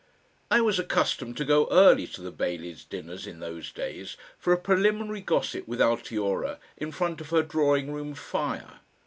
I was accustomed to go early to the Baileys' dinners in those days, for a preliminary gossip with Altiora in front of her drawing room fire.